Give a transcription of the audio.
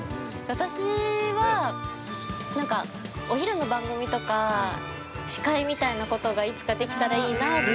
◆私は、お昼の番組とか、司会みたいなことが、できたらいいなって。